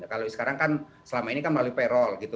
kalau sekarang kan selama ini kan melalui peral gitu